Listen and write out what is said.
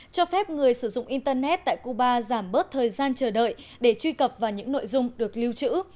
cho phép người sử dụng internet tại cuba giảm bớt thời gian chờ đợi để truy cập vào những nội dung được lưu trữ